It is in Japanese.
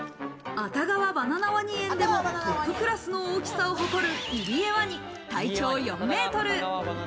熱川バナナワニ園でもトップクラスの大きさを誇るイリエワニ、体長４ｍ。